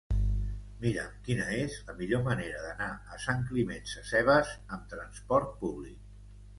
Mira'm quina és la millor manera d'anar a Sant Climent Sescebes amb trasport públic.